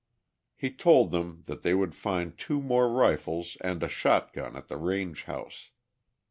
He told them that they would find two more rifles and a shotgun at the range house.